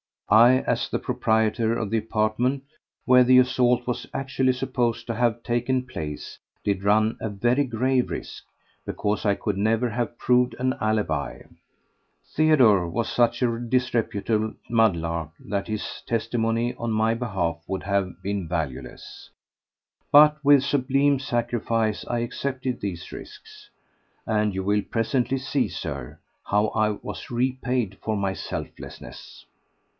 I, as the proprietor of the apartment where the assault was actually supposed to have taken place, did run a very grave risk, because I could never have proved an alibi. Theodore was such a disreputable mudlark that his testimony on my behalf would have been valueless. But with sublime sacrifice I accepted these risks, and you will presently see, Sir, how I was repaid for my selflessness.